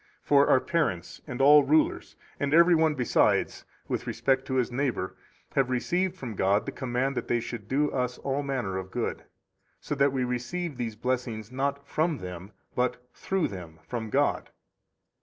For our parents, and all rulers, and every one besides with respect to his neighbor, have received from God the command that they should do us all manner of good, so that we receive these blessings not from them, but, through them, from God.